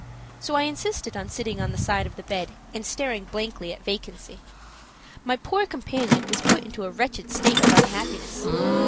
So I insisted on sitting on the side of the bed and staring blankly at vacancy. My poor companion was put into a wretched state of unhappiness.